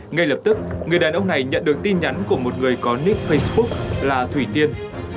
ngay lập tức người đàn ông này nhận được tin nhắn của một người có nick facebook là thủy tiên